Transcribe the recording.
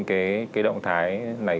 cái động thái này